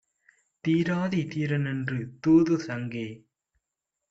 தீராதி தீரரென் றூதூது சங்கே!